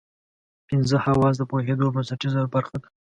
پنځه حواس د پوهېدو بنسټیزه برخه ده.